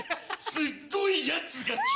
すっごいやつが来た。